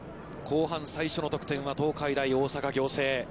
後半最初の得点は、東海大大阪仰星。